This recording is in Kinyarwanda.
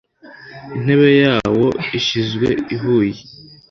intebe yawo ishyizwe ihuye